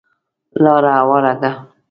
لاره هواره ده .